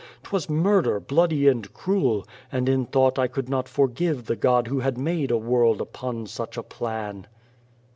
'Twas murder, bloody and cruel, and in thought I could not forgive the God who had made a world upon such a plan."